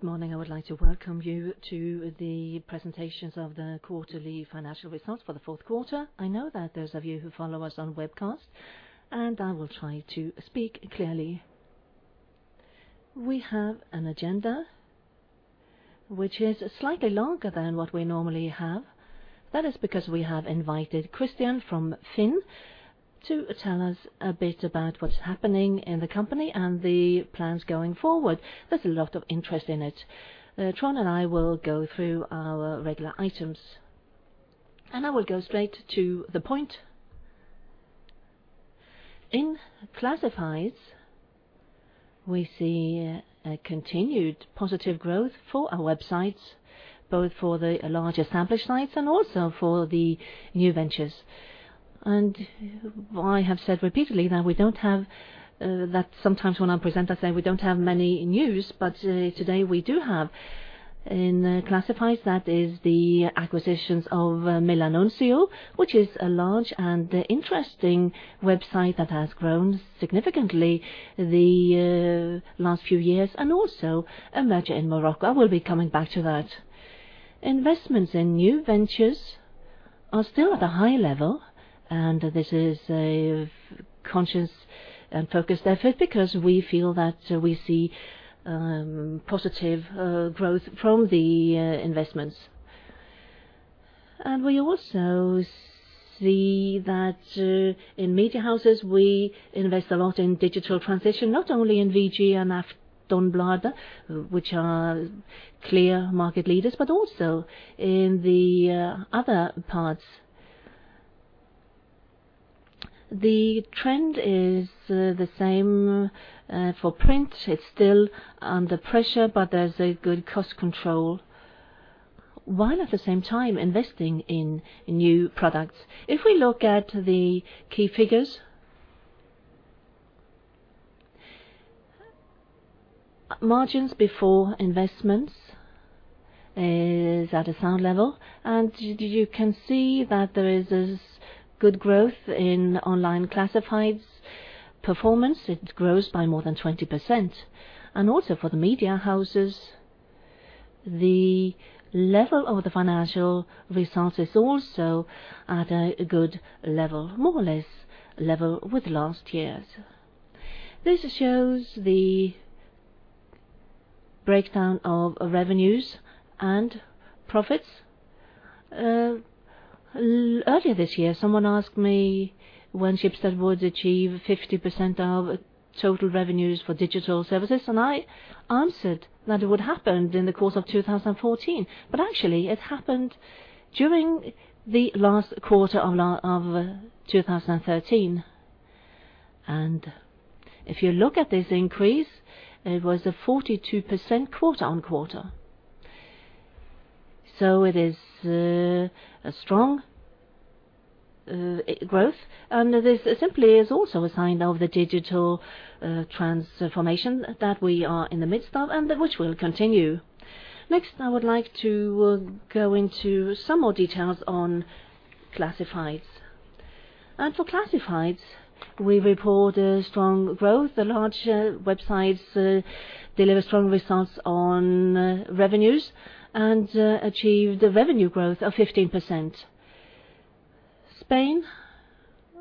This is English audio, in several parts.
Good morning. I would like to welcome you to the presentations of the quarterly financial results for the fourth quarter. I know that those of you who follow us on webcast, and I will try to speak clearly. We have an agenda which is slightly longer than what we normally have. That is because we have invited Christian from FINN to tell us a bit about what's happening in the company and the plans going forward. There's a lot of interest in it. Tron and I will go through our regular items, and I will go straight to the point. In classifieds, we see a continued positive growth for our websites, both for the larger established sites and also for the new ventures. I have said repeatedly that we don't have, that sometimes when I present, I say we don't have many news, but today we do have. In classifieds, that is the acquisitions of Milanuncios, which is a large and interesting website that has grown significantly the last few years, and also a merger in Morocco. I will be coming back to that. Investments in new ventures are still at a high level. This is a conscious and focused effort because we feel that we see positive growth from the investments. We also see that in media houses, we invest a lot in digital transition, not only in VG and Aftonbladet, which are clear market leaders, but also in the other parts. The trend is the same for print. It's still under pressure, but there's a good cost control, while at the same time investing in new products. If we look at the key figures... margins before investments is at a sound level, and you can see that there is this good growth in online classifieds performance. It grows by more than 20%. For the media houses, the level of the financial results is also at a good level, more or less level with last year's. This shows the breakdown of revenues and profits. Earlier this year, someone asked me when Schibsted would achieve 50% of total revenues for digital services, and I answered that it would happen in the course of 2014. It happened during the last quarter of 2013. If you look at this increase, it was a 42% quarter-on-quarter. It is a strong growth. This simply is also a sign of the digital transformation that we are in the midst of and which will continue. Next, I would like to go into some more details on classifieds. For classifieds, we report a strong growth. The large websites deliver strong results on revenues and achieve the revenue growth of 15%. Spain,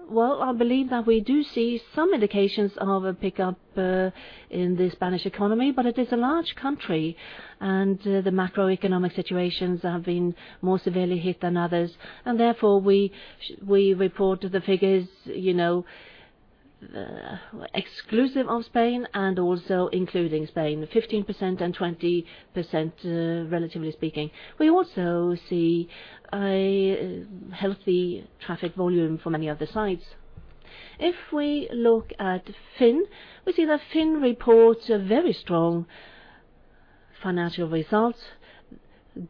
well, I believe that we do see some indications of a pickup in the Spanish economy, but it is a large country and the macroeconomic situations have been more severely hit than others. Therefore we report the figures, you know, exclusive of Spain and also including Spain, 15% and 20%, relatively speaking. We also see a healthy traffic volume for many other sites. If we look at FINN, we see that FINN reports a very strong financial result,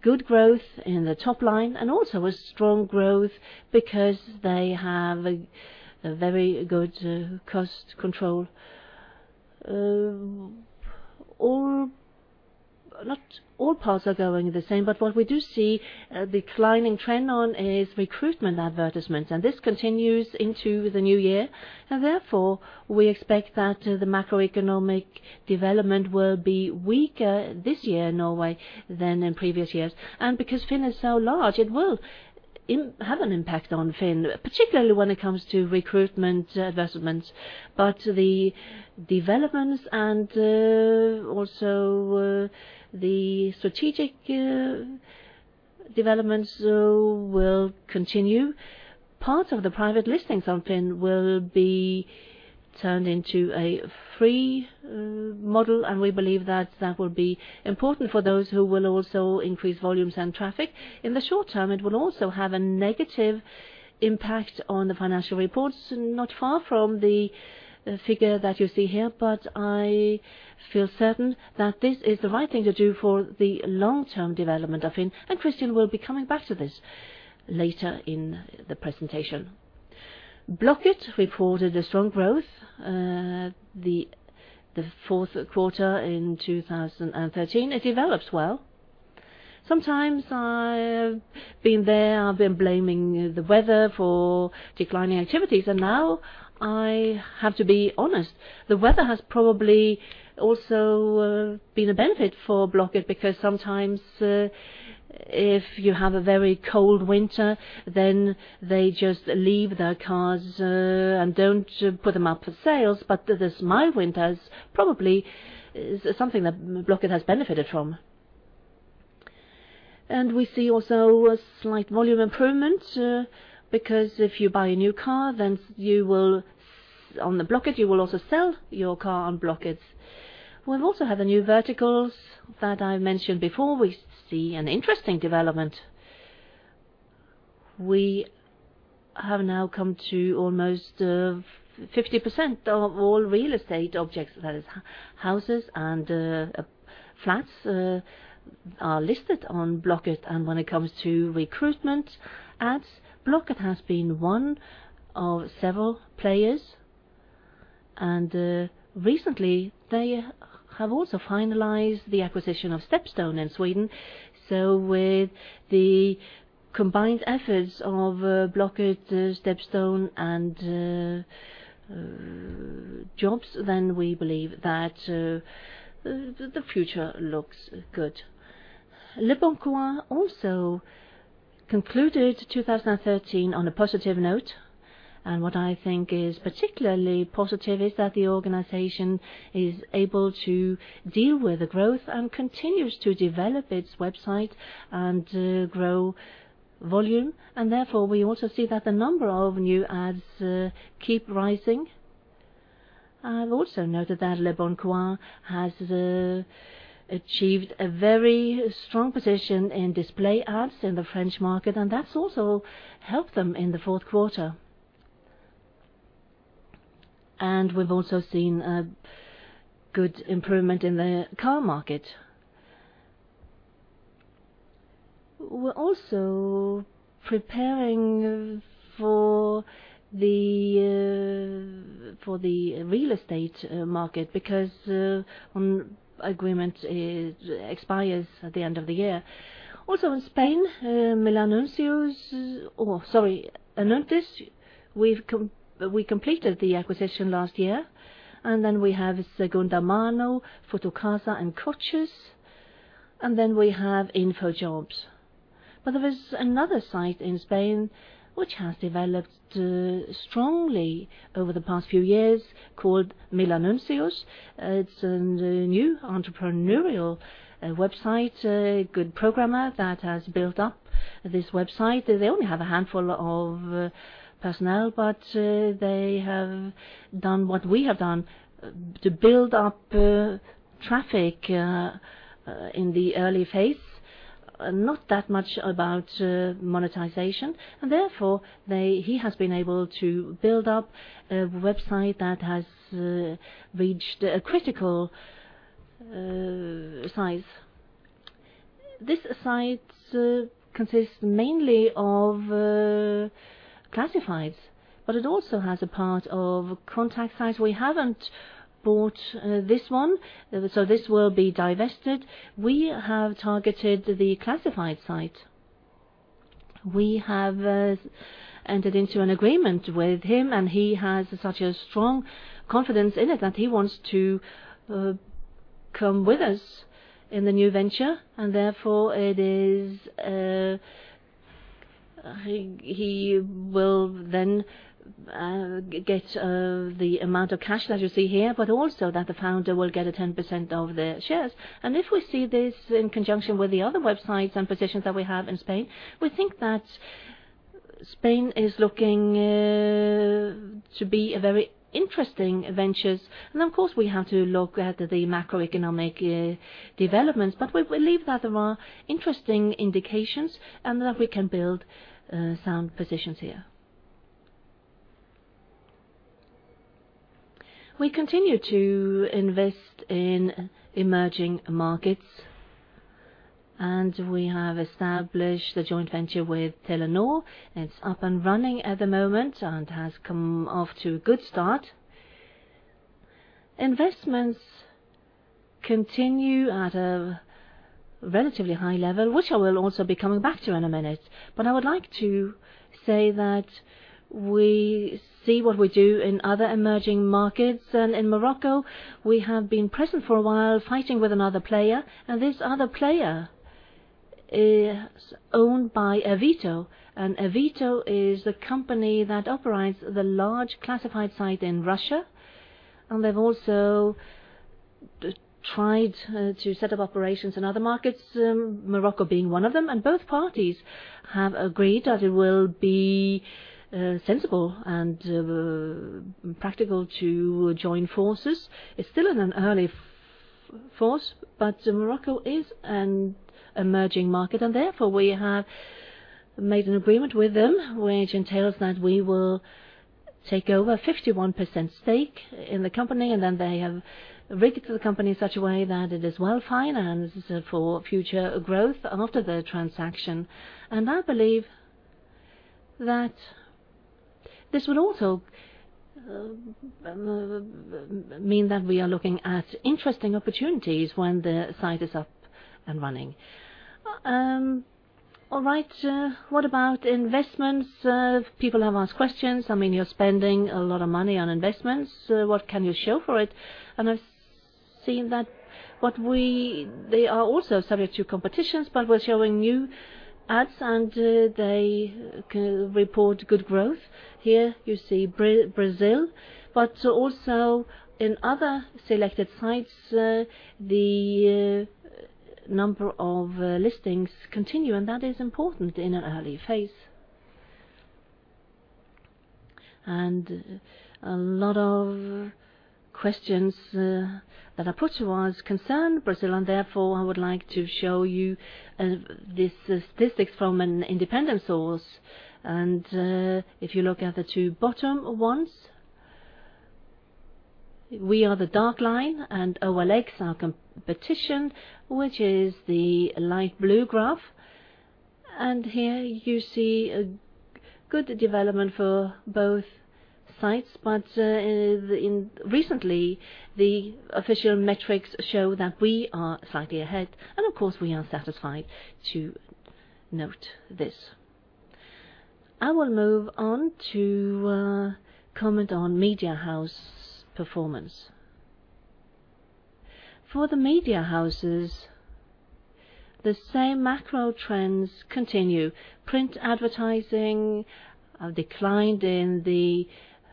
good growth in the top line and also a strong growth because they have a very good cost control. Not all parts are going the same, but what we do see a declining trend on is recruitment advertisements, and this continues into the new year. Therefore, we expect that the macroeconomic development will be weaker this year in Norway than in previous years. Because FINN is so large, it will have an impact on FINN, particularly when it comes to recruitment advertisements. The developments and also the strategic developments will continue. Part of the private listings on FINN will be turned into a free model, we believe that that will be important for those who will also increase volumes and traffic. In the short term, it will also have a negative impact on the financial reports, not far from the figure that you see here. I feel certain that this is the right thing to do for the long-term development of FINN, Christian will be coming back to this later in the presentation. Blocket reported a strong growth, the fourth quarter in 2013. It develops well. Sometimes I've been there, I've been blaming the weather for declining activities, and now I have to be honest, the weather has probably also been a benefit for Blocket because sometimes if you have a very cold winter, then they just leave their cars and don't put them up for sales. This mild winter is probably something that Blocket has benefited from. We see also a slight volume improvement, because if you buy a new car, then you will on the Blocket, you will also sell your car on Blocket. We've also had the new verticals that I mentioned before. We see an interesting development. We have now come to almost 50% of all real estate objects, that is, houses and flats are listed on Blocket. When it comes to recruitment ads, Blocket has been one of several players. Recently they have also finalized the acquisition of Stepstone in Sweden. With the combined efforts of Blocket, Stepstone and jobs, we believe that the future looks good. leboncoin also concluded 2013 on a positive note. What I think is particularly positive is that the organization is able to deal with the growth and continues to develop its website and grow volume. Therefore we also see that the number of new ads keep rising. I'll also note that leboncoin has achieved a very strong position in display ads in the French market and that's also helped them in the fourth quarter. We've also seen a good improvement in the car market. We're also preparing for the for the real estate market because agreement expires at the end of the year. Also in Spain, Milanuncios. Oh, sorry, Anuntis. We completed the acquisition last year and then we have Segundamano, Fotocasa and Coches, and then we have InfoJobs. There is another site in Spain which has developed strongly over the past few years called Milanuncios. It's a new entrepreneurial website, a good programmer that has built up this website. They only have a handful of personnel, but they have done what we have done to build up traffic in the early phase. Not that much about monetization. Therefore he has been able to build up a website that has reached a critical size. This site consists mainly of classifieds, but it also has a part of contact sites. We haven't bought this one, so this will be divested. We have targeted the classified site. We have entered into an agreement with him, and he has such a strong confidence in it that he wants to come with us in the new venture. Therefore it is... He will then get the amount of cash that you see here, but also that the founder will get a 10% of the shares. If we see this in conjunction with the other websites and positions that we have in Spain, we think that Spain is looking to be a very interesting ventures. Of course, we have to look at the macroeconomic developments. We believe that there are interesting indications and that we can build sound positions here. We continue to invest in emerging markets, and we have established a joint venture with Telenor. It's up and running at the moment and has come off to a good start. Investments continue at a relatively high level, which I will also be coming back to in a minute. I would like to say that we see what we do in other emerging markets. In Morocco we have been present for a while fighting with another player. This other player is owned by Avito. Avito is the company that operates the large classified site in Russia. They've also tried to set up operations in other markets, Morocco being one of them. Both parties have agreed that it will be sensible and practical to join forces. It's still in an early phase. Morocco is an emerging market and therefore we have made an agreement with them which entails that we will take over 51% stake in the company. They have rigged the company in such a way that it is well financed for future growth after the transaction. I believe that this would also mean that we are looking at interesting opportunities when the site is up and running. All right. What about investments? People have asked questions. I mean, you're spending a lot of money on investments, what can you show for it? I've seen that They are also subject to competitions, we're showing new ads, they can report good growth. Here you see Brazil, also in other selected sites, the number of listings continue, that is important in an early phase. A lot of questions that are put to us concern Brazil, therefore, I would like to show you this statistics from an independent source. If you look at the two bottom ones, we are the dark line, and OLX, our competition, which is the light blue graph. Here you see a good development for both sites. In recently, the official metrics show that we are slightly ahead, and of course, we are satisfied to note this. I will move on to comment on Media House performance. For the Media Houses, the same macro trends continue. Print advertising declined in the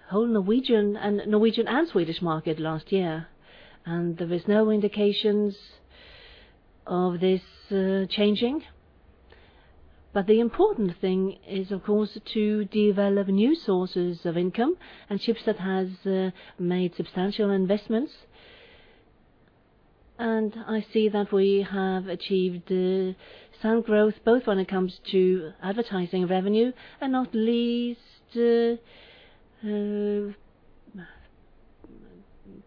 whole Norwegian and Swedish market last year, and there is no indications of this changing. The important thing is, of course, to develop new sources of income. Schibsted has made substantial investments. I see that we have achieved some growth, both when it comes to advertising revenue and not least,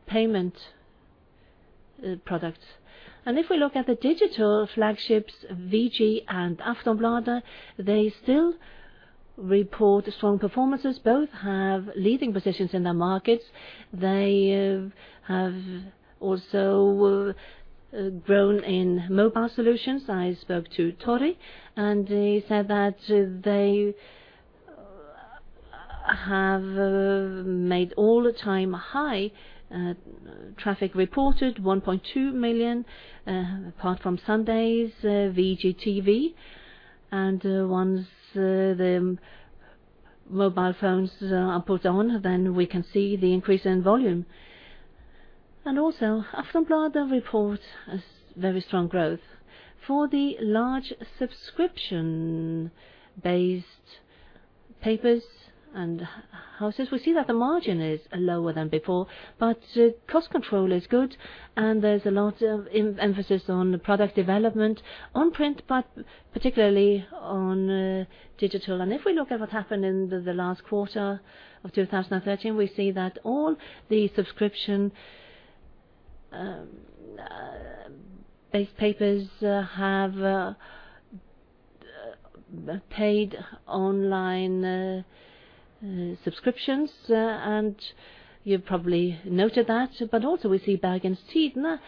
payment products. If we look at the digital flagships, VG and Aftonbladet, they still report strong performances. Both have leading positions in their markets. They have also grown in mobile solutions. I spoke to Toriand he said that they have made all the time high traffic reported 1.2 million apart from Sundays, VG TV. Once, the mobile phones are put on, then we can see the increase in volume. Also, Aftonbladet reports a very strong growth. For the large subscription-based papers and houses, we see that the margin is lower than before, but cost control is good and there's a lot of emphasis on product development on print, but particularly on digital. If we look at what happened in the last quarter of 2013, we see that all the subscription based papers have paid online subscriptions. You've probably noted that. Also we see Bergens Tidende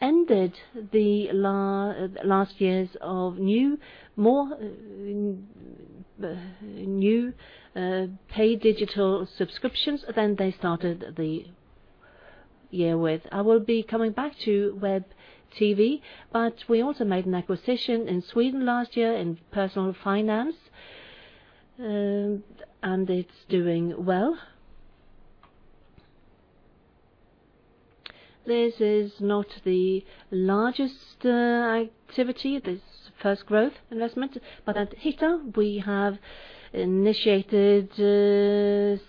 ended the last years of new, more, new paid digital subscriptions than they started the year with. I will be coming back to Web TV, but we also made an acquisition in Sweden last year in personal finance, and it's doing well. This is not the largest activity, this first growth investment. At Hitta, we have initiated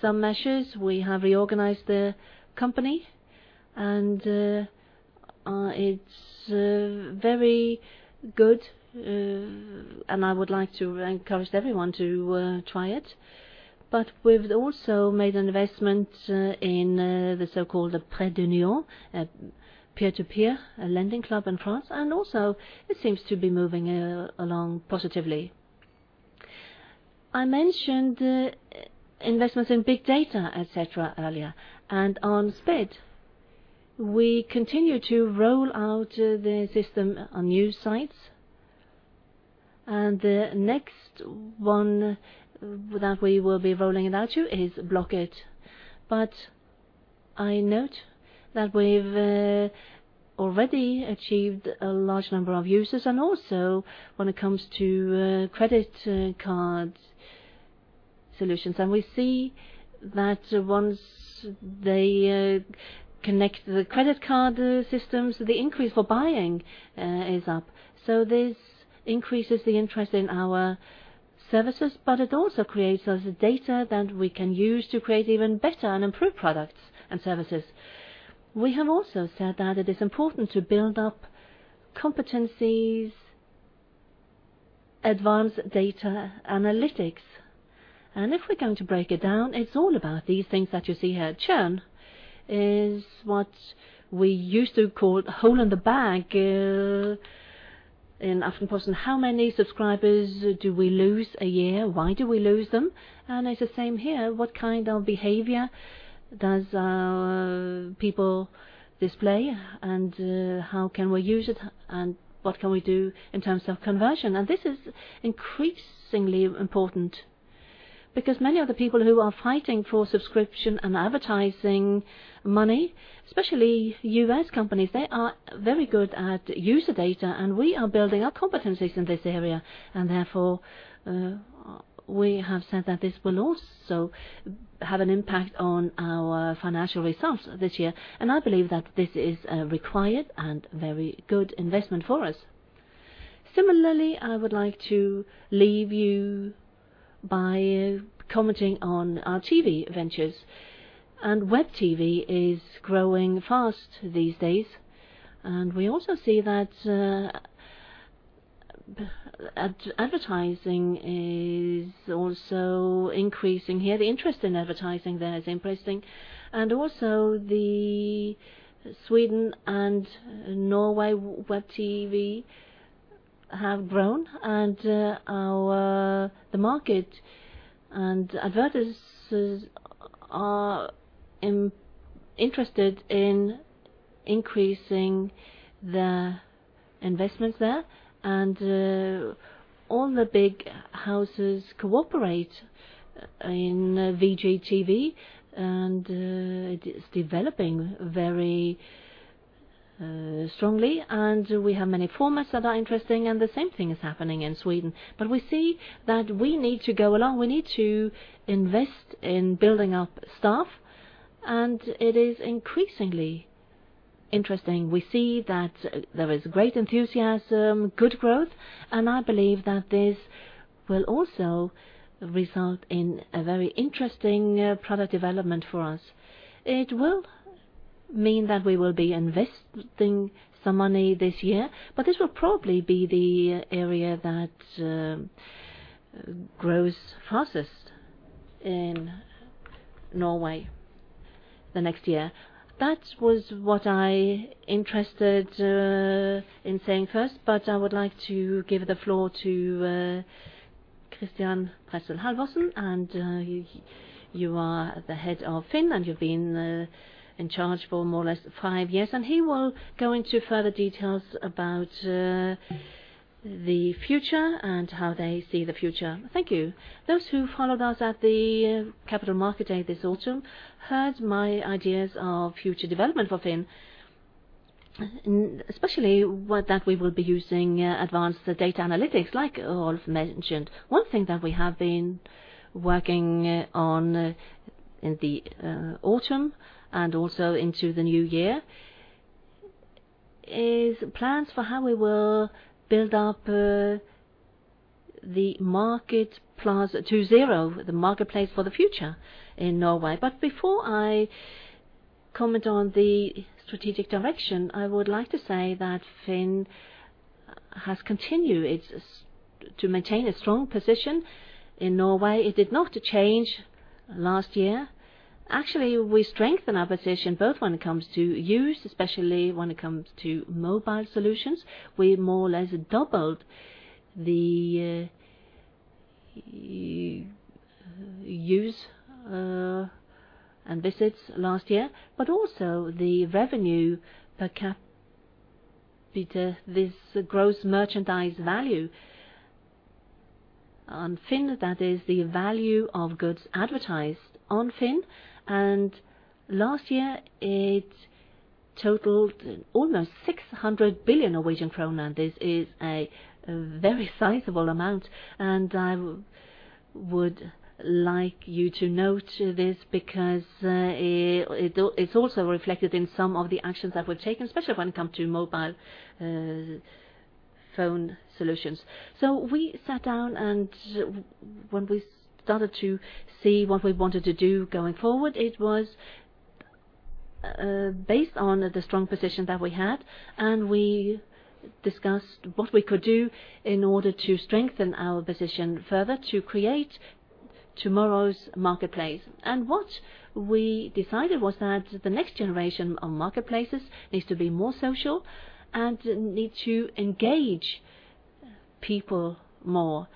some measures. We have reorganized the company, and it's very good, and I would like to encourage everyone to try it. We've also made an investment in the so-called Prêt d'Union, peer-to-peer lending club in France. Also, it seems to be moving along positively. I mentioned investments in big data, et cetera, earlier. On SPiD, we continue to roll out the system on new sites, and the next one that we will be rolling it out to is Blocket. I note that we've already achieved a large number of users and also when it comes to credit card solutions. We see that once they connect the credit card systems, the increase for buying is up. This increases the interest in our services, but it also creates us data that we can use to create even better and improved products and services. We have also said that it is important to build up competencies, advanced data analytics. If we're going to break it down, it's all about these things that you see here. Churn is what we used to call the hole in the bag in Aftenposten. How many subscribers do we lose a year? Why do we lose them? It's the same here. What kind of behavior does people display and how can we use it? What can we do in terms of conversion? This is increasingly important because many of the people who are fighting for subscription and advertising money, especially US companies, they are very good at user data, and we are building our competencies in this area. Therefore, we have said that this will also have an impact on our financial results this year. I believe that this is required and very good investment for us. Similarly, I would like to leave you by commenting on our TV ventures. Web TV is growing fast these days, and we also see that advertising is also increasing here. The interest in advertising there is increasing. Also the Sweden and Norway Web TV have grown. The market and advertisers are interested in increasing their investments there. All the big houses cooperate in VGTV, and it is developing very strongly. We have many formats that are interesting, and the same thing is happening in Sweden. We see that we need to go along. We need to invest in building up staff, and it is increasingly interesting. We see that there is great enthusiasm, good growth, and I believe that this will also result in a very interesting product development for us. It will mean that we will be investing some money this year, but this will probably be the area that grows fastest in Norway the next year. That was what I interested in saying first, but I would like to give the floor to Christian Printzell Halvorsen. You are the head of FINN, and you've been in charge for more or less five years, and he will go into further details about the future and how they see the future. Thank you. Those who followed us at the Capital Markets Day this autumn heard my ideas of future development for FINN, especially what that we will be using advanced data analytics like Rolf mentioned. One thing that we have been working on in the autumn and also into the new year is plans for how we will build up the Marketplass 2.0, the marketplace for the future in Norway. Before I comment on the strategic direction, I would like to say that FINN has continued to maintain a strong position in Norway. It did not change last year. Actually, we strengthened our position both when it comes to use, especially when it comes to mobile solutions. We more or less doubled the use and visits last year, but also the revenue per capita. This gross merchandise value on FINN, that is the value of goods advertised on FINN. Last year, it totaled almost 600 billion Norwegian krone, and this is a very sizable amount. I would like you to note this because it's also reflected in some of the actions that we've taken, especially when it comes to mobile phone solutions. We sat down, and when we started to see what we wanted to do going forward, it was based on the strong position that we had, and we discussed what we could do in order to strengthen our position further to create tomorrow's marketplace. What we decided was that the next generation of marketplaces needs to be more social and need to engage people more,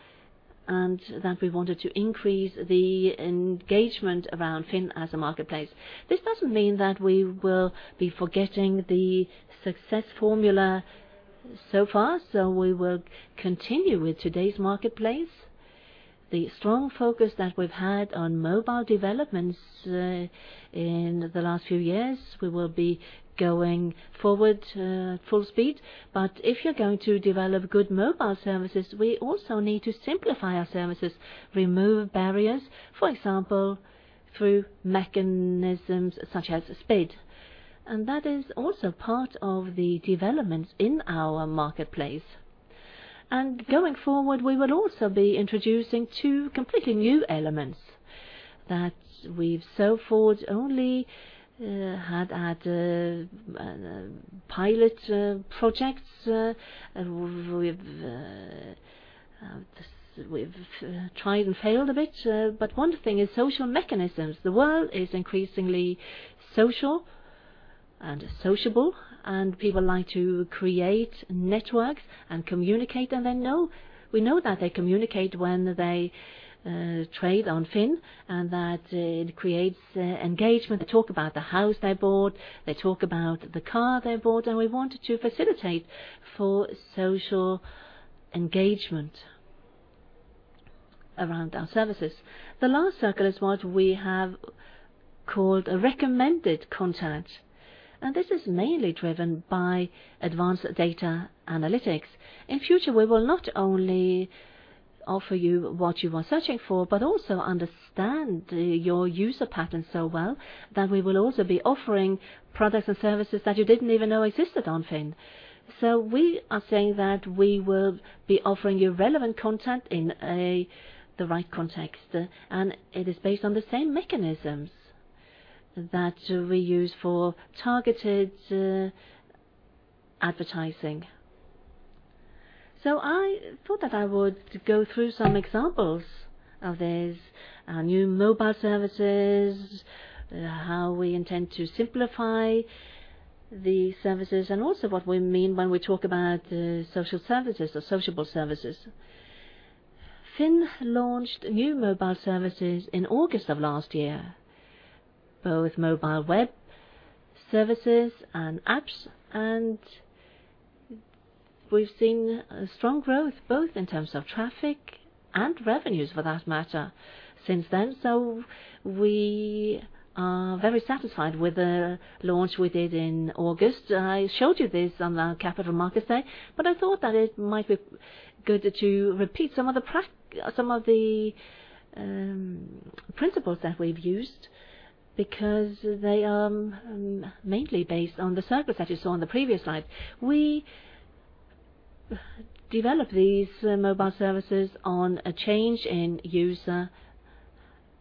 and that we wanted to increase the engagement around FINN as a marketplace. This doesn't mean that we will be forgetting the success formula so far. We will continue with today's marketplace. The strong focus that we've had on mobile developments in the last few years, we will be going forward full speed. If you're going to develop good mobile services, we also need to simplify our services, remove barriers, for example, through mechanisms such as SPiD. That is also part of the developments in our marketplace. Going forward, we will also be introducing 2 completely new elements. That we've so forth only had at pilot projects. We've tried and failed a bit. One thing is social mechanisms. The world is increasingly social and sociable, and people like to create networks and communicate. They know. We know that they communicate when they trade on FINN and that it creates engagement. They talk about the house they bought, they talk about the car they bought, and we wanted to facilitate for social engagement around our services. The last circle is what we have called a recommended content, and this is mainly driven by advanced data analytics. In future, we will not only offer you what you are searching for, but also understand your user patterns so well that we will also be offering products and services that you didn't even know existed on FINN. We are saying that we will be offering you relevant content in the right context. It is based on the same mechanisms that we use for targeted advertising. I thought that I would go through some examples of these, our new mobile services, how we intend to simplify the services, and also what we mean when we talk about social services or sociable services. FINN launched new mobile services in August of last year, both mobile web services and apps. We've seen a strong growth both in terms of traffic and revenues for that matter since then. We are very satisfied with the launch we did in August. I showed you this on the Capital Markets Day, I thought that it might be good to repeat some of the principles that we've used, because they are mainly based on the circles that you saw on the previous slide. We developed these mobile services on a change in user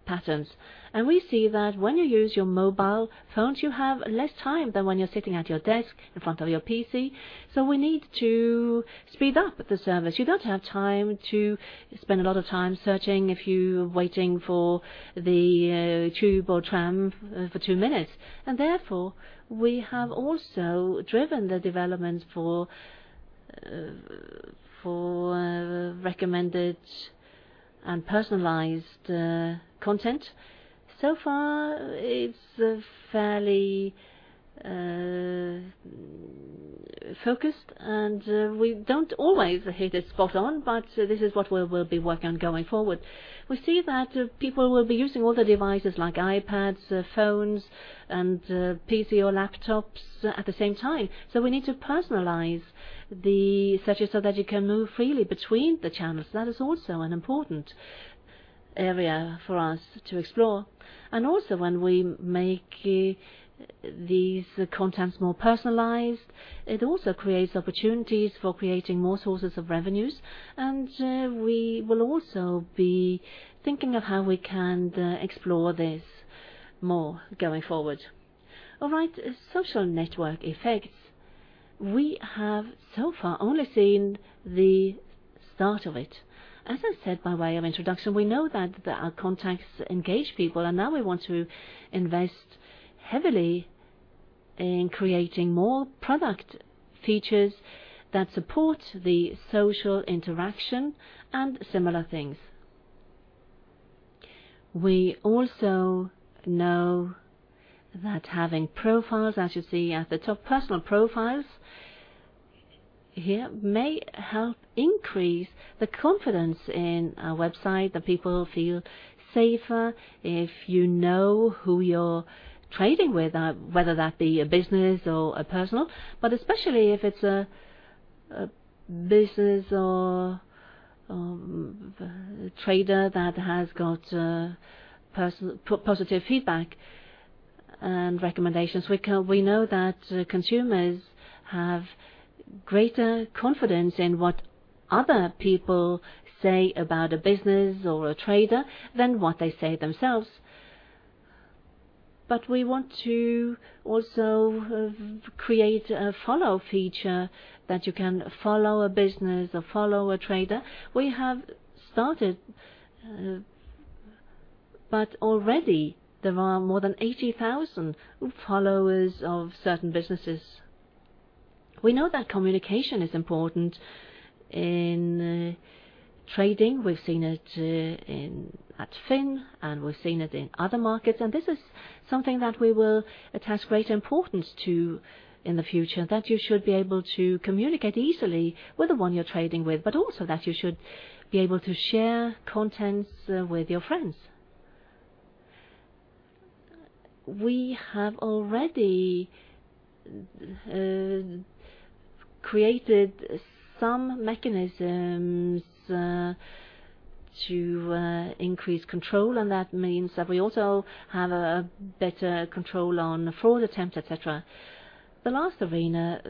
patterns. We see that when you use your mobile phones, you have less time than when you're sitting at your desk in front of your PC. We need to speed up the service. You don't have time to spend a lot of time searching if you're waiting for the tube or tram for 2 minutes. Therefore, we have also driven the development for recommended and personalized content. So far it's fairly focused. We don't always hit it spot on. This is what we will be working on going forward. We see that people will be using all the devices like iPads, phones and PC or laptops at the same time. We need to personalize the searches so that you can move freely between the channels. That is also an important area for us to explore. When we make these contents more personalized, it also creates opportunities for creating more sources of revenues. We will also be thinking of how we can explore this more going forward. All right, social network effects. We have so far only seen the start of it. As I said, by way of introduction, we know that our contacts engage people, and now we want to invest heavily in creating more product features that support the social interaction and similar things. We also know that having profiles, as you see at the top personal profiles here, may help increase the confidence in our website. The people feel safer if you know who you're trading with, whether that be a business or a personal, especially if it's a business or positive feedback and recommendations. We know that consumers have greater confidence in what other people say about a business or a trader than what they say themselves. We want to also create a follow feature that you can follow a business or follow a trader. We have started, already there are more than 80,000 followers of certain businesses. We know that communication is important in trading. We've seen it at FINN, and we've seen it in other markets, and this is something that we will attach great importance to in the future, that you should be able to communicate easily with the one you're trading with, but also that you should be able to share contents with your friends. We have already created some mechanisms to increase control, and that means that we also have a better control on fraud attempts, et cetera. The last arena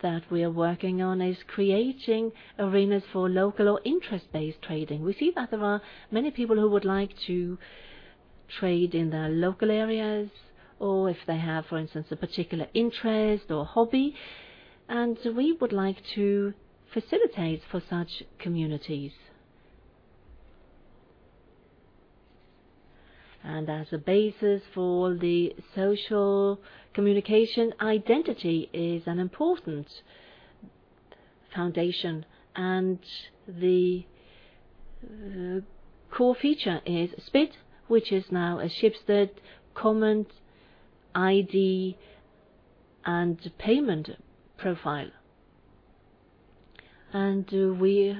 that we are working on is creating arenas for local or interest-based trading. We see that there are many people who would like to trade in their local areas or if they have, for instance, a particular interest or hobby, and we would like to facilitate for such communities. As a basis for the social communication, identity is an important foundation, and the core feature is SPiD, which is now a Schibsted Payment ID and payment profile. We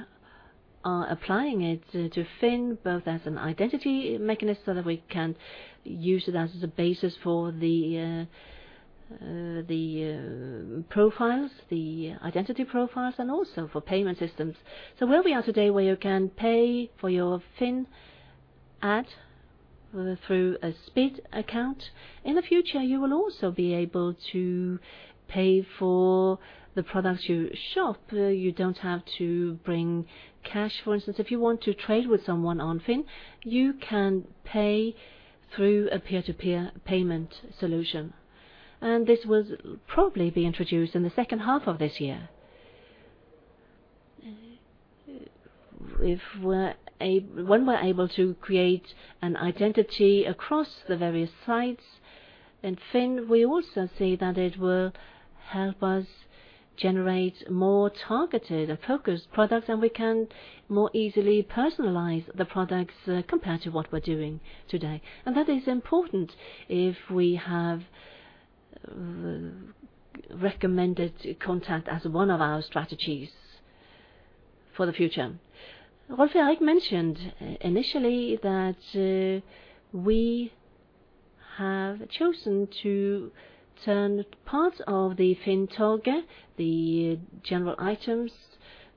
are applying it to Finn both as an identity mechanism so that we can use it as a basis for the profiles, the identity profiles and also for payment systems. Where we are today, where you can pay for your Finn ad through a SPiD account. In the future, you will also be able to pay for the products you shop. You don't have to bring cash. For instance, if you want to trade with someone on Finn, you can pay through a peer-to-peer payment solution. This will probably be introduced in the second half of this year. When we're able to create an identity across the various sites in FINN, we also see that it will help us generate more targeted and focused products, and we can more easily personalize the products compared to what we're doing today. That is important if we have recommended contact as one of our strategies for the future. Rolv Erik mentioned initially that we have chosen to turn parts of the FINN torget, the general items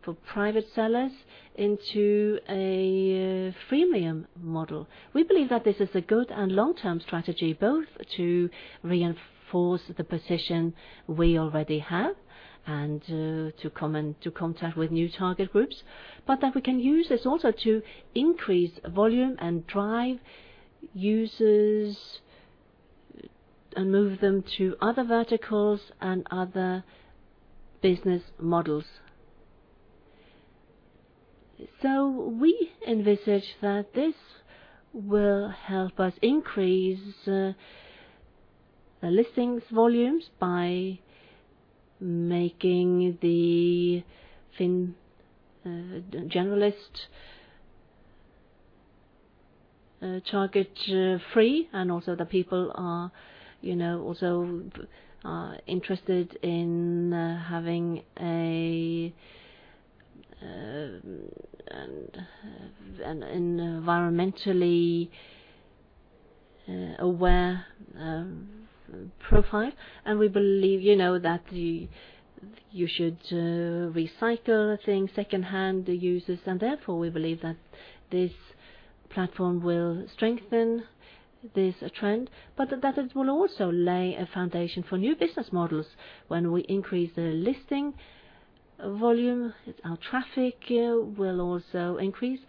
for private sellers into a freemium model. We believe that this is a good and long-term strategy, both to reinforce the position we already have and to come into contact with new target groups, but that we can use this also to increase volume and drive users and move them to other verticals and other business models. We envisage that this will help us increase the listings volumes by making the FINN generalist torget free. Also that people are, you know, also interested in having an environmentally aware profile. We believe, you know, that you should recycle things secondhand uses. Therefore, we believe that this platform will strengthen this trend, but that it will also lay a foundation for new business models. When we increase the listing volume, our traffic will also increase,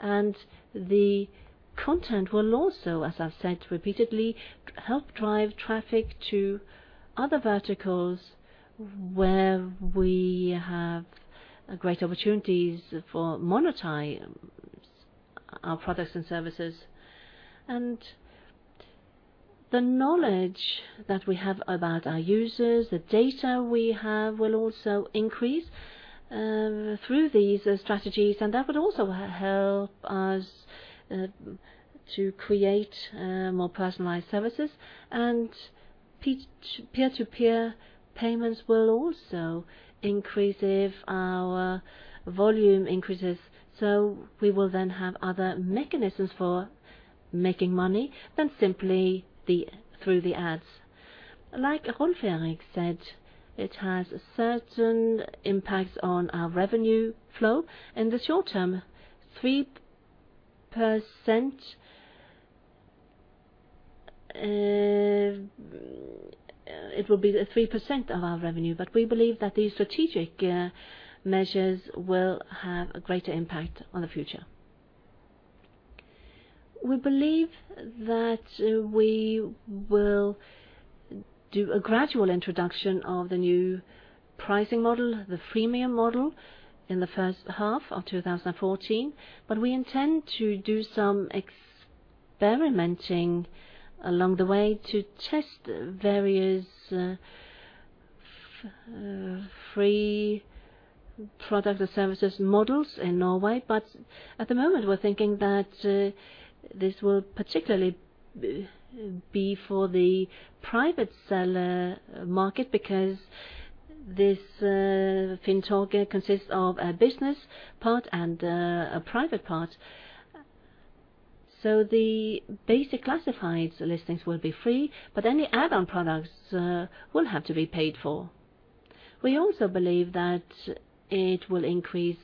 and the content will also, as I've said repeatedly, help drive traffic to other verticals where we have great opportunities for monetize our products and services. The knowledge that we have about our users, the data we have will also increase through these strategies, and that would also help us to create more personalized services. Peer-to-peer payments will also increase if our volume increases. We will then have other mechanisms for making money than simply through the ads. Like Rolv Erik said, it has certain impacts on our revenue flow. In the short term, 3%, it will be 3% of our revenue, but we believe that these strategic measures will have a greater impact on the future. We believe that we will do a gradual introduction of the new pricing model, the freemium model, in the first half of 2014. We intend to do some experimenting along the way to test various free products and services models in Norway. At the moment, we're thinking that this will particularly be for the private seller market because this FINN torget consists of a business part and a private part. The basic classifieds listings will be free, but any add-on products will have to be paid for. We also believe that it will increase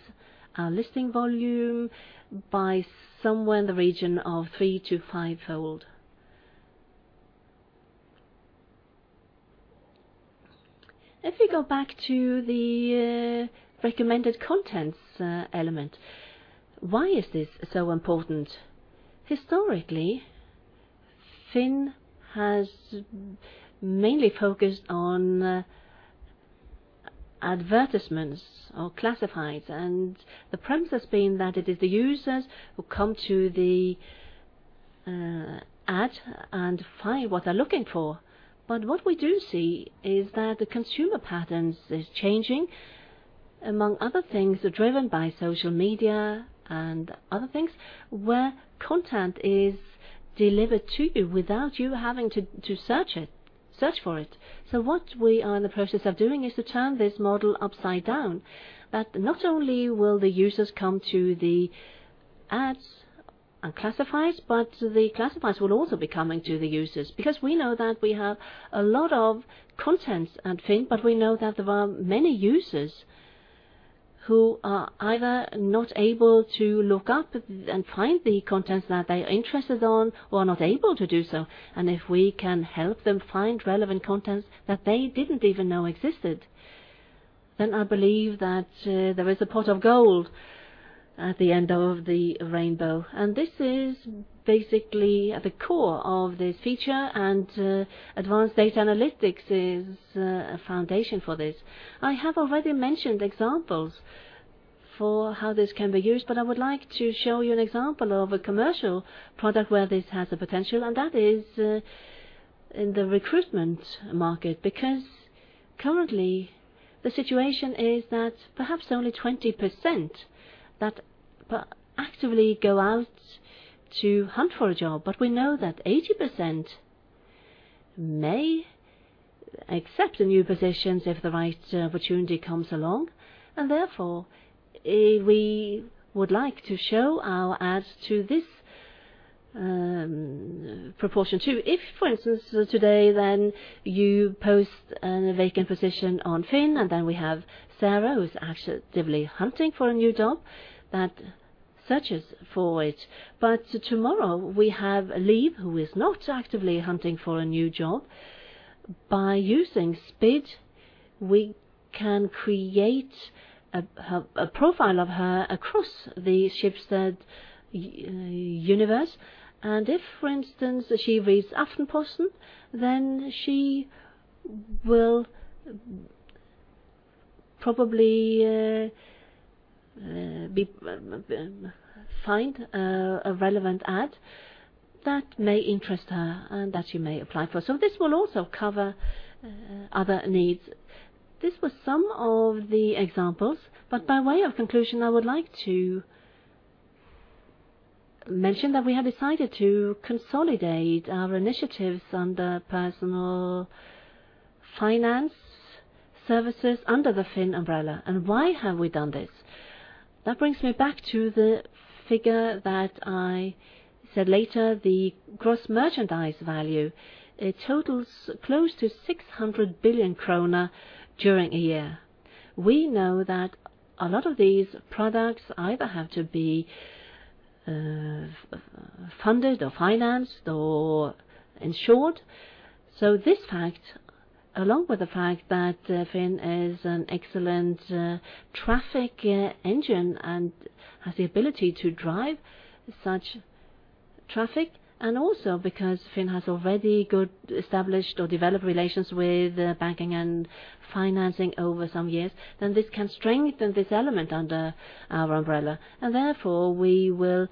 our listing volume by somewhere in the region of 3-5-fold. If we go back to the recommended contents element, why is this so important? Historically, FINN has mainly focused on advertisements or classifieds, and the premise has been that it is the users who come to the ad and find what they're looking for. What we do see is that the consumer patterns is changing, among other things, are driven by social media and other things where content is delivered to you without you having to search for it. What we are in the process of doing is to turn this model upside down, that not only will the users come to the ads and classifieds, but the classifieds will also be coming to the users. We know that we have a lot of content at FINN, but we know that there are many users who are either not able to look up and find the content that they are interested on or are not able to do so. If we can help them find relevant content that they didn't even know existed, then I believe that there is a pot of gold at the end of the rainbow. This is basically at the core of this feature. Advanced data analytics is a foundation for this. I have already mentioned examples for how this can be used, I would like to show you an example of a commercial product where this has a potential, and that is in the recruitment market. Currently the situation is that perhaps only 20% that actively go out to hunt for a job. We know that 80% may accept the new positions if the right opportunity comes along. Therefore, we would like to show our ads to this proportion too. If, for instance, today, you post a vacant position on FINN, and then we have Sarah, who's actively hunting for a new job that searches for it. Tomorrow we have Liv, who is not actively hunting for a new job. By using SPiD, we can create a profile of her across the Schibsted universe. If, for instance, she reads Aftenposten, then she will probably find a relevant ad that may interest her and that she may apply for. This will also cover other needs. This was some of the examples, but by way of conclusion, I would like to mention that we have decided to consolidate our initiatives under personal finance services under the FINN umbrella. Why have we done this? That brings me back to the figure that I said later. The gross merchandise value, it totals close to 600 billion krone during a year. We know that a lot of these products either have to be funded or financed or insured. This fact, along with the fact that FINN is an excellent traffic engine and has the ability to drive such traffic, and also because FINN has already good established or developed relations with banking and financing over some years, then this can strengthen this element under our umbrella. Therefore we will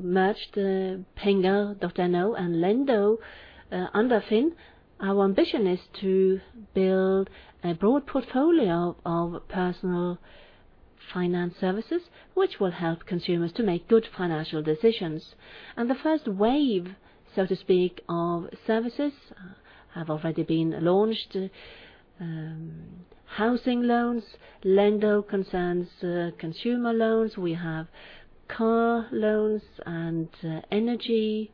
merge the penger.no and Lendo under FINN. Our ambition is to build a broad portfolio of personal finance services which will help consumers to make good financial decisions. The first wave, so to speak, of services have already been launched. Housing loans, Lendo concerns consumer loans. We have car loans and energy,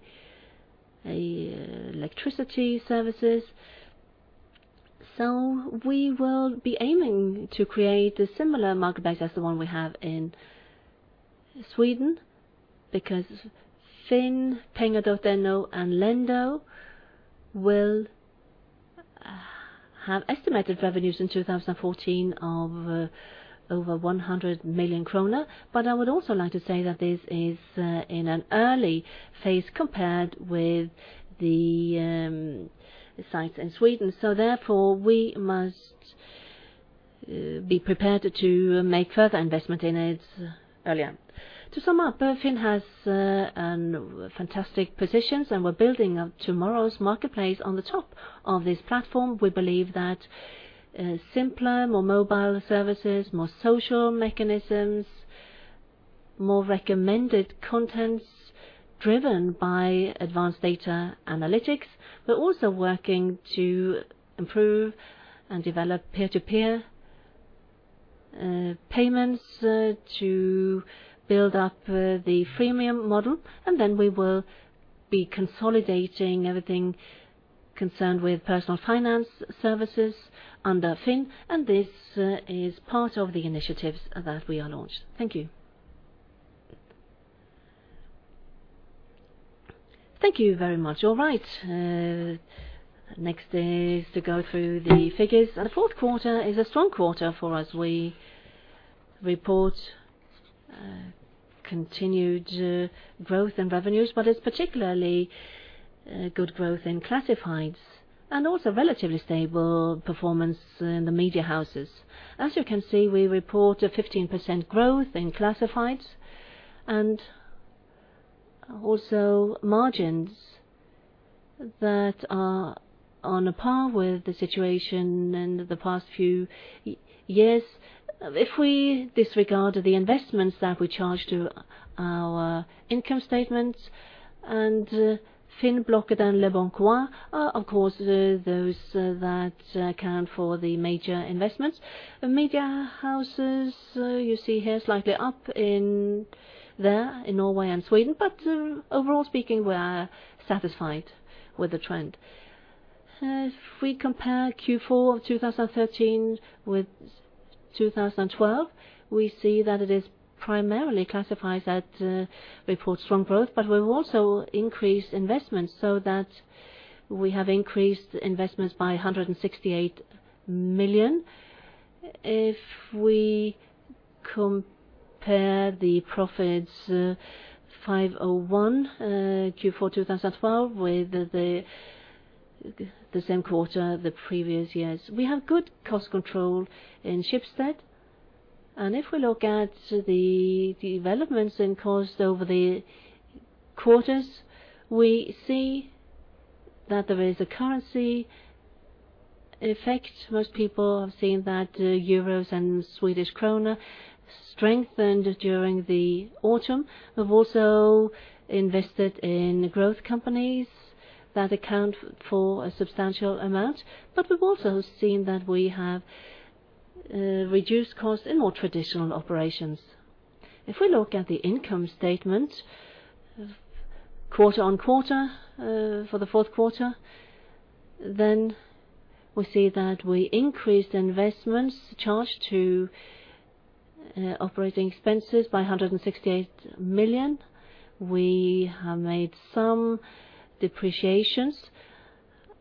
electricity services. We will be aiming to create a similar market base as the one we have in Sweden, because FINN, penger.no and Lendo will have estimated revenues in 2014 of over 100 million kroner. I would also like to say that this is in an early phase compared with the sites in Sweden. Therefore we must be prepared to make further investment in it earlier. To sum up, FINN has fantastic positions and we're building up tomorrow's marketplace. On the top of this platform, we believe that simpler, more mobile services, more social mechanisms, more recommended contents driven by advanced data analytics. We're also working to improve and develop peer-to-peer payments to build up the freemium model. We will be consolidating everything concerned with personal finance services under FINN, and this is part of the initiatives that we are launched. Thank you. Thank you very much. All right. Next is to go through the figures. The fourth quarter is a strong quarter for us. We report continued growth in revenues, but it's particularly good growth in classifieds and also relatively stable performance in the media houses. As you can see, we report a 15% growth in classifieds and also margins that are on par with the situation in the past few years. If we disregard the investments that we charge to our income statements, and FINN, Blocket, and leboncoin are of course those that account for the major investments. The media houses, you see here, slightly up in there in Norway and Sweden, but overall speaking, we're satisfied with the trend. If we compare Q4 of 2013 with 2012, we see that it is primarily classifieds that report strong growth, but we've also increased investments so that we have increased investments by 168 million. If we compare the profits 501 Q4 2012 with the same quarter, the previous years. We have good cost control in Schibsted, and if we look at the developments in costs over the quarters, we see that there is a currency effect. Most people have seen that euros and Swedish krona strengthened during the autumn. We've also invested in growth companies that account for a substantial amount, but we've also seen that we have reduced costs in more traditional operations. If we look at the income statement quarter on quarter, for the fourth quarter, we see that we increased investments charged to operating expenses by 168 million. We have made some depreciations.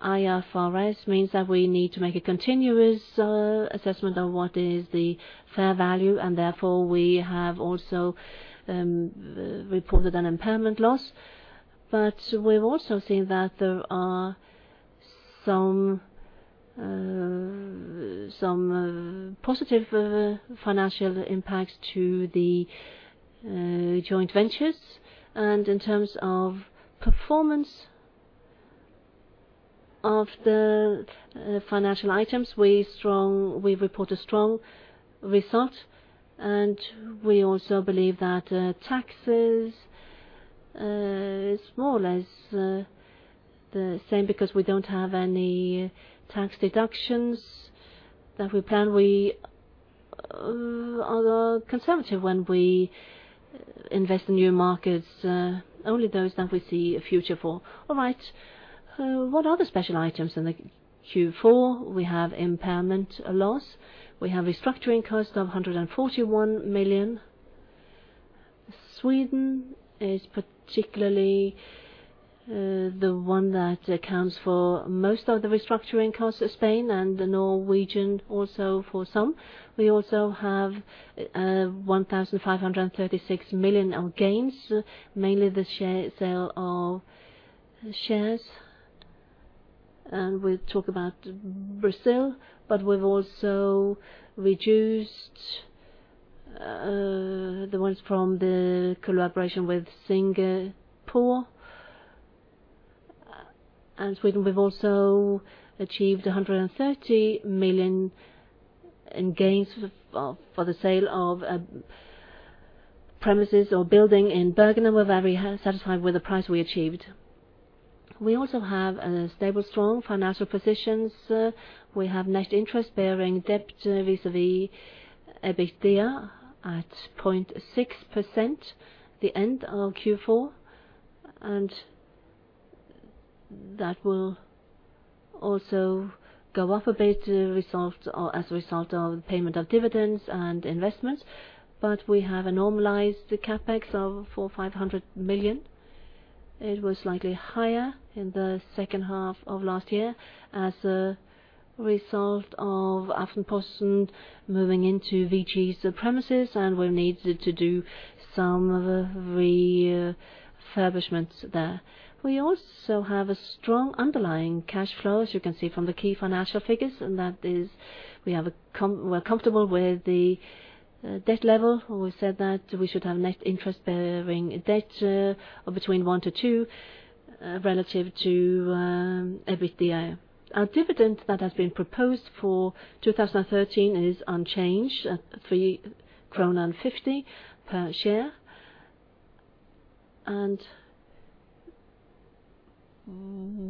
IFRS means that we need to make a continuous assessment of what is the fair value, and therefore, we have also reported an impairment loss. We've also seen that there are some positive financial impacts to the joint ventures. In terms of performance of the financial items, we report a strong result, and we also believe that taxes is more or less the same because we don't have any tax deductions that we plan. We are conservative when we invest in new markets, only those that we see a future for. All right. What are the special items in the Q4? We have impairment loss. We have restructuring costs of 141 million. Sweden is particularly the one that accounts for most of the restructuring costs of Spain, and the Norwegian also for some. We also have 1,536 million of gains, mainly the share sale of shares. We'll talk about Brazil, but we've also reduced the ones from the collaboration with Singapore. Sweden, we've also achieved 130 million in gains for the sale of a premises or building in Bergen, and we're very satisfied with the price we achieved. We also have a stable, strong financial positions. We have net interest bearing debt vis-à-vis EBITDA at 0.6% the end of Q4, and that will also go up a bit as a result of payment of dividends and investments. We have a normalized CapEx of 400 million-500 million. It was slightly higher in the second half of last year as a result of Aftenposten moving into VG's premises, and we needed to do some refurbishment there. We also have a strong underlying cash flow, as you can see from the key financial figures, and that is we have we're comfortable with the debt level. We said that we should have net interest bearing debt of between 1-2 relative to EBITDA. Our dividend that has been proposed for 2013 is unchanged at 3.50 krone per share.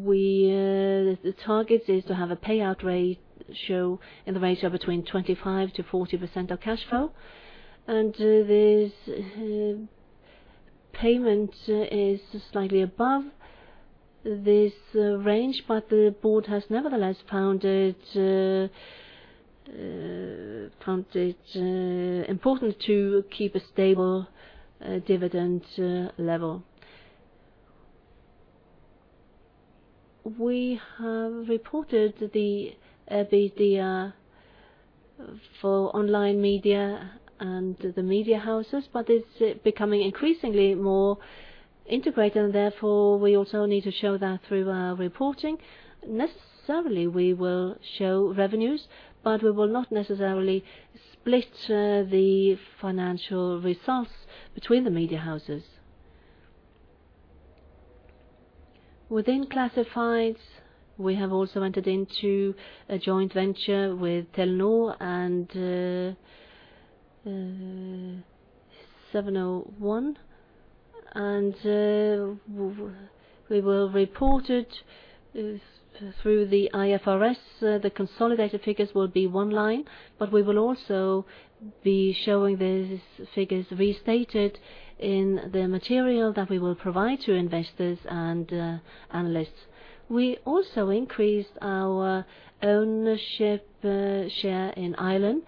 We, the target is to have a payout ratio in the ratio between 25%-40% of cash flow. There's Payment is slightly above this range, but the board has nevertheless found it important to keep a stable dividend level. We have reported the EBITDA for online media and the media houses, it's becoming increasingly more integrated and therefore we also need to show that through our reporting. Necessarily, we will show revenues, we will not necessarily split the financial results between the media houses. Within classifieds, we have also entered into a joint venture with Telenor and 701. We will report it through the IFRS. The consolidated figures will be one line, but we will also be showing these figures restated in the material that we will provide to investors and analysts. We also increased our ownership share in Ailen.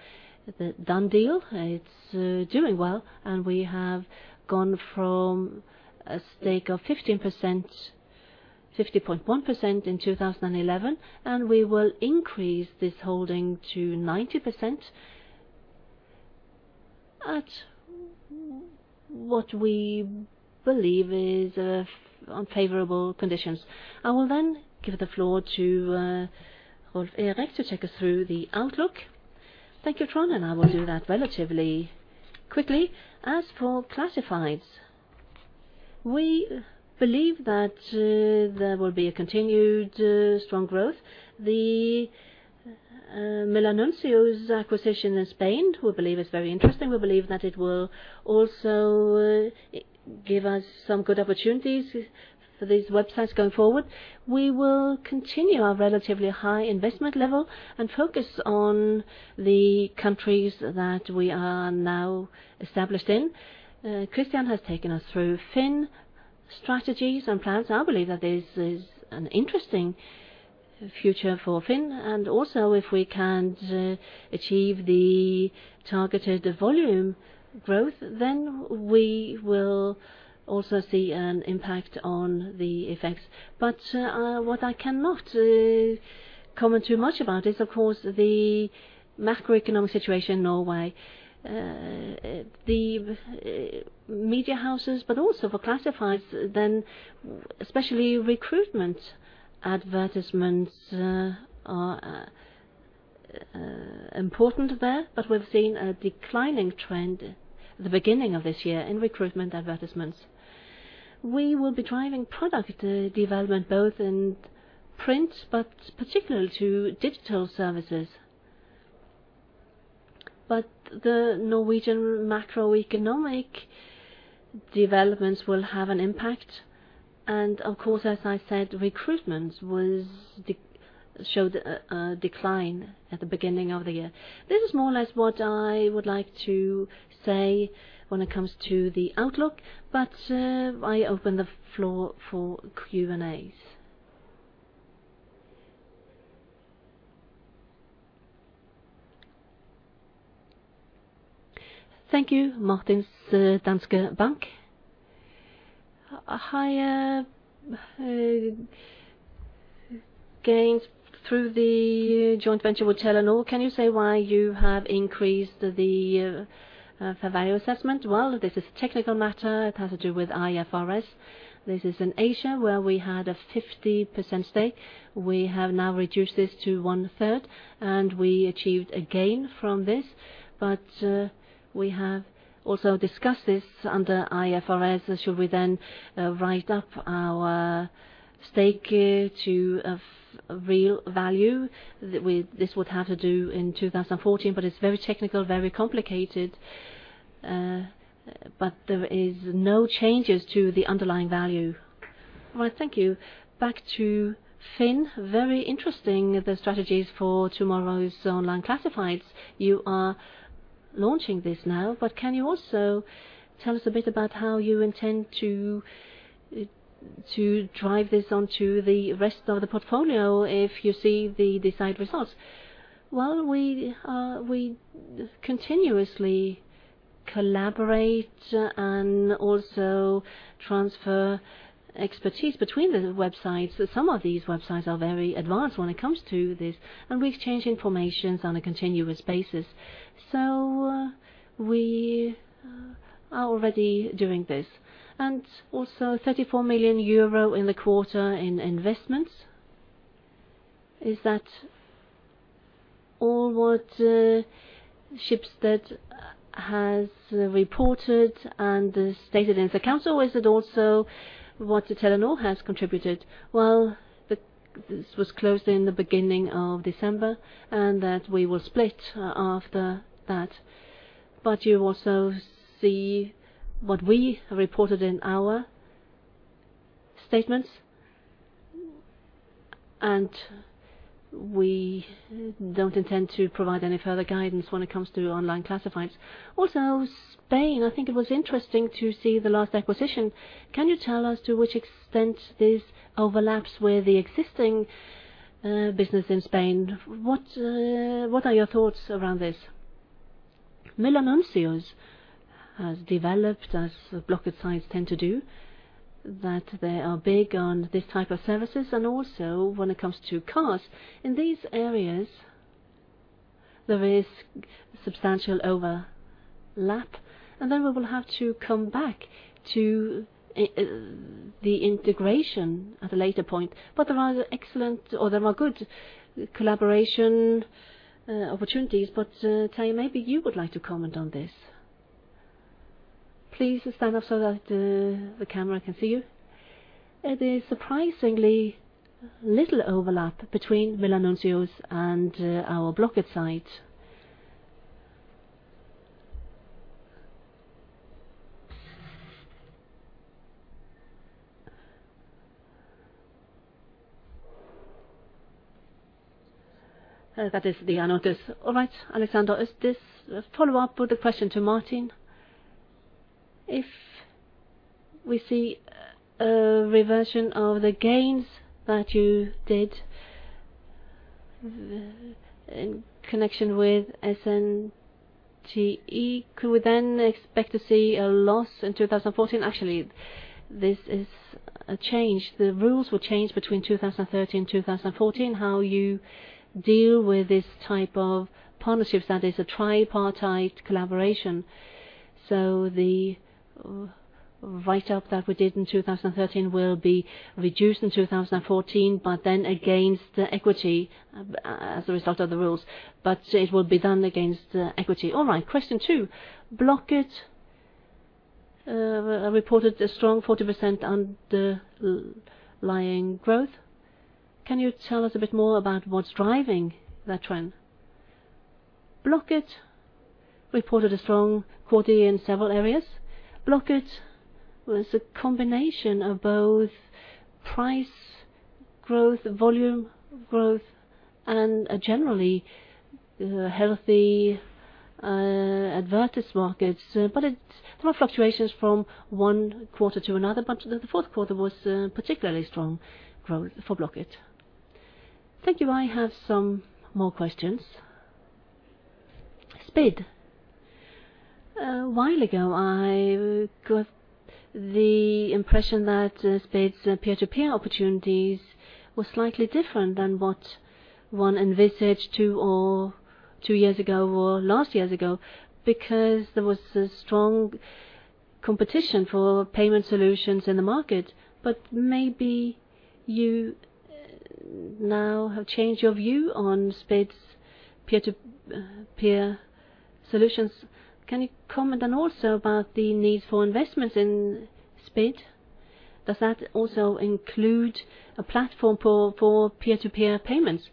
The done deal, it's doing well, and we have gone from a stake of 15%, 50.1% in 2011, and we will increase this holding to 90% at what we believe is on favorable conditions. I will then give the floor to Rolf Erik to take us through the outlook. Thank you, Trond, and I will do that relatively quickly. As for classifieds, we believe that there will be a continued strong growth. The Milanuncios acquisition in Spain, we believe is very interesting. We believe that it will also give us some good opportunities for these websites going forward. We will continue our relatively high investment level and focus on the countries that we are now established in. Christian has taken us through FINN strategies and plans. I believe that this is an interesting future for FINN. If we can achieve the targeted volume growth, then we will also see an impact on the effects. What I cannot comment too much about is, of course, the macroeconomic situation in Norway. The media houses, but also for classifieds, then especially recruitment advertisements, are important there, but we've seen a declining trend at the beginning of this year in recruitment advertisements. We will be driving product development both in print, but particularly to digital services. The Norwegian macroeconomic developments will have an impact. As I said, recruitment showed a decline at the beginning of the year. This is more or less what I would like to say when it comes to the outlook. I open the floor for Q&As. Thank you. Martin, Danske Bank. Hi, gains through the joint venture with Telenor. Can you say why you have increased the fair value assessment? Well, this is technical matter. It has to do with IFRS. This is in Asia where we had a 50% stake. We have now reduced this to one-third and we achieved a gain from this. We have also discussed this under IFRS. Should we then write up our stake to a real value? This would have to do in 2014, it's very technical, very complicated, there is no changes to the underlying value. All right, thank you. Back to FINN. Very interesting, the strategies for tomorrow's online classifieds. You are launching this now, can you also tell us a bit about how you intend to drive this onto the rest of the portfolio if you see the desired results? We continuously collaborate and also transfer expertise between the websites. Some of these websites are very advanced when it comes to this, we exchange information on a continuous basis. We are already doing this. Also 34 million euro in the quarter in investments. Is that all what Schibsted has reported and stated in the council? Is it also what Telenor has contributed? This was closed in the beginning of December, that we will split after that. You also see what we reported in our statements. We don't intend to provide any further guidance when it comes to online classifieds. Also Spain, I think it was interesting to see the last acquisition. Can you tell us to which extent this overlaps with the existing business in Spain? What are your thoughts around this? Milanuncios has developed, as Blocket sites tend to do, that they are big on this type of services and also when it comes to cars. In these areas, there is substantial overlap, and we will have to come back to the integration at a later point. There are excellent or there are good collaboration opportunities. Terje, maybe you would like to comment on this. Please stand up so that the camera can see you. There is surprisingly little overlap between Milanuncios and our Blocket site. All right, Alessandro, follow up with the question to Martin. We see a reversion of the gains that you did in connection with SnT, could we then expect to see a loss in 2014? Actually, this is a change. The rules will change between 2013, 2014, how you deal with this type of partnerships, that is a tripartite collaboration. The write up that we did in 2013 will be reduced in 2014, against the equity as a result of the rules. It will be done against equity. All right. Question 2. Blocket reported a strong 40% underlying growth. Can you tell us a bit more about what's driving that trend? Blocket reported a strong quarter in several areas. Blocket was a combination of both price growth, volume growth and generally healthy adverts markets. There were fluctuations from 1 quarter to another, but the 4th quarter was particularly strong growth for Blocket. Thank you. I have some more questions. SPiD. A while ago, I got the impression that SPiD's peer-to-peer opportunities were slightly different than what one envisaged 2 years ago or last years ago because there was a strong competition for payment solutions in the market. Maybe you now have changed your view on SPiD's peer-to-peer solutions. Can you comment also about the need for investments in SPiD? Does that also include a platform for peer-to-peer payments?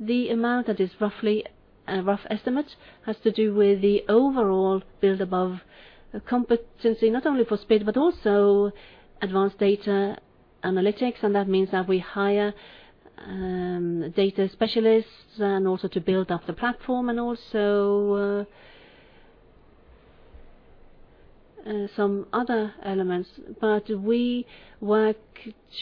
The amount that is roughly a rough estimate has to do with the overall build above competency, not only for SPiD, but also advanced data analytics. That means that we hire, data specialists and also to build up the platform and also, some other elements. We work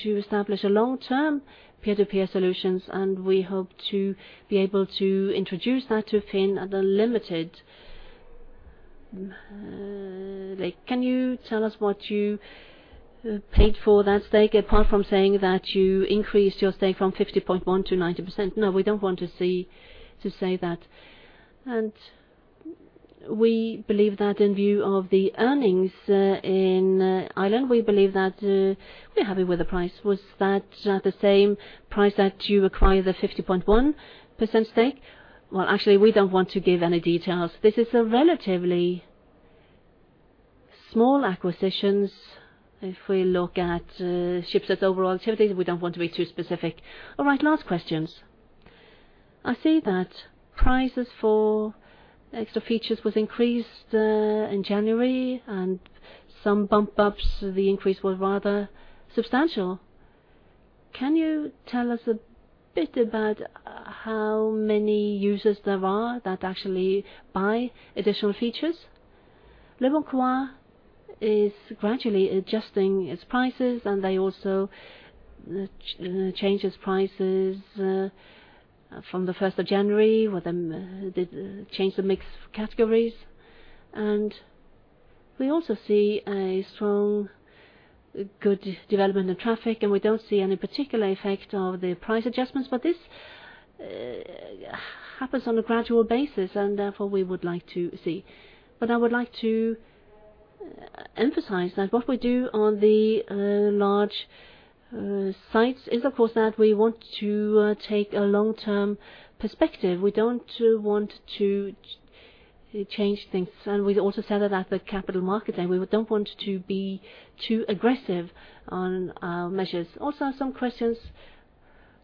to establish a long-term peer-to-peer solutions, and we hope to be able to introduce that to FINN.no at the limited. Can you tell us what you paid for that stake, apart from saying that you increased your stake from 50.1 to 90%? We don't want to say that. We believe that in view of the earnings in Ireland, we believe that we're happy with the price. Was that the same price that you acquired the 50.1% stake? Well, actually, we don't want to give any details. This is a relatively small acquisitions. If we look at Schibsted's overall activities, we don't want to be too specific. Last questions. I see that prices for extra features was increased in January, and some bump ups, the increase was rather substantial. Can you tell us a bit about how many users there are that actually buy additional features? leboncoin is gradually adjusting its prices, and they also change its prices from the first of January, where they change the mix of categories. We also see a strong, good development of traffic, and we don't see any particular effect of the price adjustments. This happens on a gradual basis, and therefore, we would like to see. I would like to emphasize that what we do on the large sites is, of course, that we want to take a long-term perspective. We don't want to change things. We also said that at the Capital Markets Day, we don't want to be too aggressive on our measures. Some questions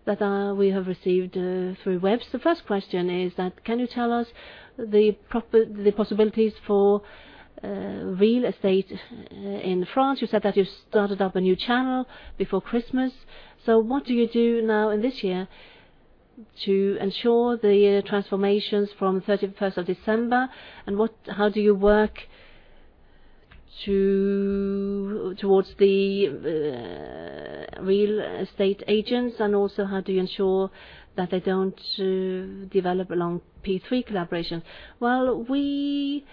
that we have received through webs. The first question is that, can you tell us the possibilities for real estate in France? You said that you started up a new channel before Christmas. What do you do now in this year? To ensure the transformations from 31st of December and how do you work to, towards the real estate agents and also how do you ensure that they don't develop along P3 collaboration? We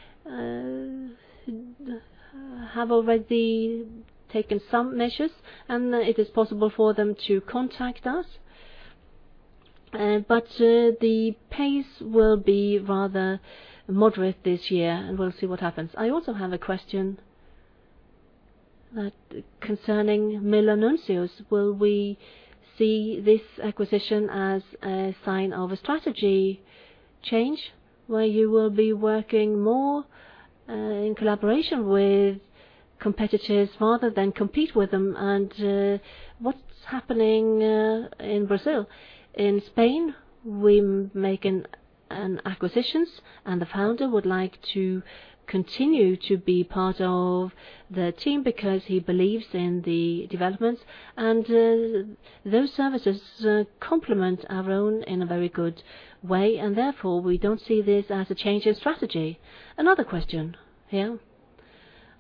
have already taken some measures, and it is possible for them to contact us. But the pace will be rather moderate this year, and we'll see what happens. I also have a question that concerning Milanuncios. Will we see this acquisition as a sign of a strategy change where you will be working more in collaboration with competitors rather than compete with them? What's happening in Brazil? In Spain, we make an acquisitions, and the founder would like to continue to be part of the team because he believes in the developments. Those services complement our own in a very good way, and therefore, we don't see this as a change in strategy. Another question here.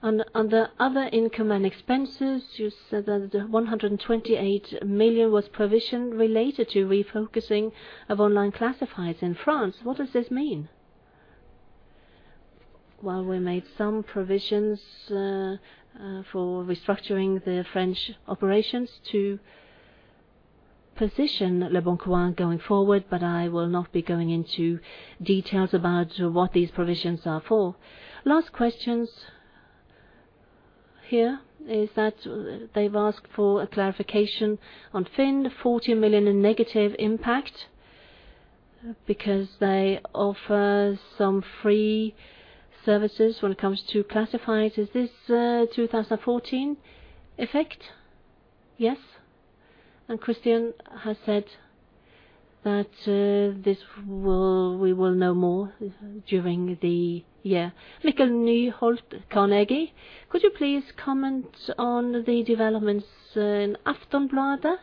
On the other income and expenses, you said that 128 million was provision related to refocusing of online classifieds in France. What does this mean? Well, we made some provisions for restructuring the French operations to position leboncoin going forward, but I will not be going into details about what these provisions are for. Last questions here is that they've asked for a clarification on FINN 40 million in negative impact because they offer some free services when it comes to classifieds. Is this a 2014 effect? Yes. Christian has said that we will know more during the year. Mikkel Nølh, Carnegie, could you please comment on the developments in Aftonbladet,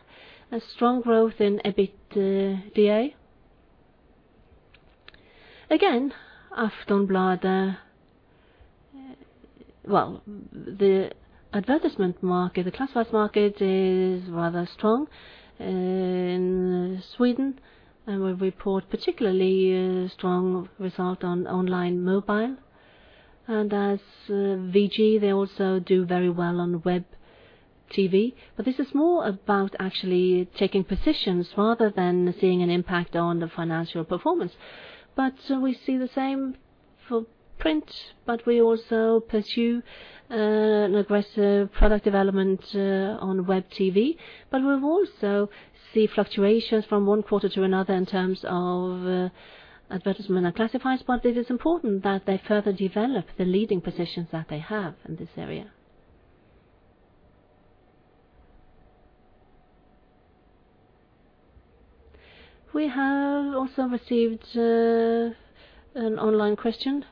a strong growth in EBITDA? Again, Aftonbladet. Well, the advertisement market, the classified market is rather strong in Sweden. We report particularly strong result on online mobile. As VG, they also do very well on Web TV. This is more about actually taking positions rather than seeing an impact on the financial performance. We see the same for print, we also pursue an aggressive product development on Web TV. We've also see fluctuations from one quarter to another in terms of advertisement and classifieds. It is important that they further develop the leading positions that they have in this area. We have also received an online question.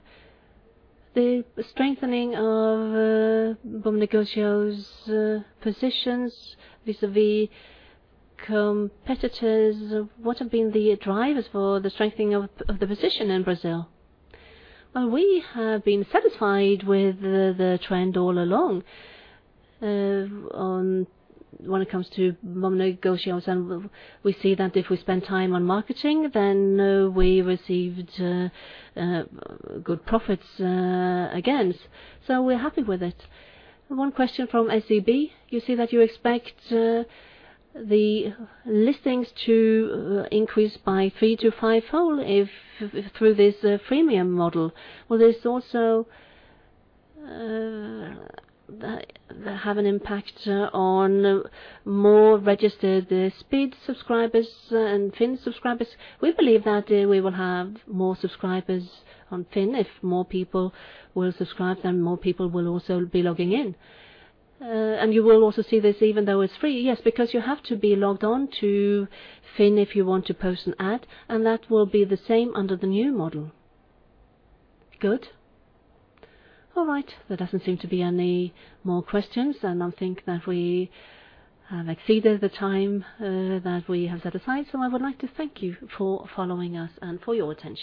The strengthening of Bom Negócio positions vis-a-vis competitors. What have been the drivers for the strengthening of the position in Brazil? We have been satisfied with the trend all along. When it comes to Bom Negócio and we see that if we spend time on marketing, then we received good profits again. We're happy with it. One question from SEB. You say that you expect the listings to increase by 3 to 5 fold if through this freemium model. Will this also have an impact on more registered SPiD subscribers and FINN subscribers? We believe that we will have more subscribers on FINN. More people will subscribe, then more people will also be logging in. You will also see this even though it's free? Yes, because you have to be logged on to FINN if you want to post an ad. That will be the same under the new model. Good. All right. There doesn't seem to be any more questions. I think that we have exceeded the time that we have set aside. I would like to thank you for following us and for your attention.